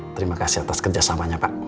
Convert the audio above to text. terima kasih atas kerjasamanya pak